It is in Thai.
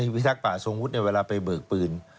วิทยาคปะสงวุฒินเวลาไปเบิกปืน